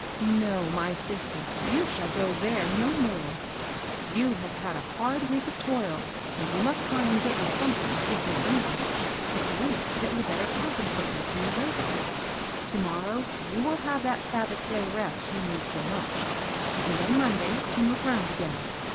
^^No, my sister, yon shall go tiiere no more. You have had a hard week of toil, and we must try and get you something, if not easier, at least that will better compensate you for your labor. To morrow you will have that Sabbath day rest you need so much, and on Monday can look round again.